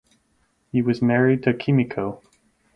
He was married to Kimiko.